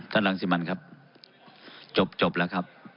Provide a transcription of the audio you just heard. รังสิมันครับจบแล้วครับ